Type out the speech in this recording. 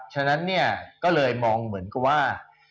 ฉะนั้นเนี่ยก็เลยมองเหมือนกับว่า